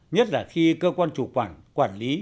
nhất là khi cơ quan chủ quản lý